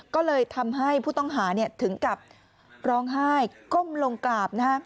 ก็เลยทำให้ผู้ต้องหาถึงกับร้องไห้ก้มลงกราบ